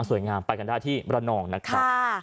สวยงามไปกันได้ที่มรนองนะครับ